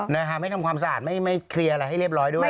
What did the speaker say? นะฮะไม่ทำความสะอาดไม่เคลียร์อะไรให้เรียบร้อยด้วย